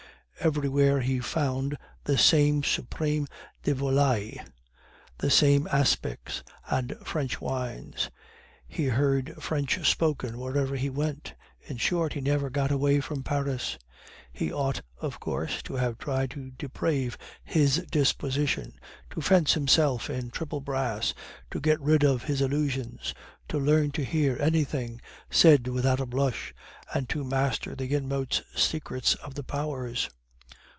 Everywhere he found the same supreme de volaille, the same aspics, and French wines; he heard French spoken wherever he went in short, he never got away from Paris. He ought, of course, to have tried to deprave his disposition, to fence himself in triple brass, to get rid of his illusions, to learn to hear anything said without a blush, and to master the inmost secrets of the Powers.